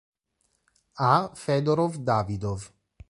A. Fedorov-Davidov.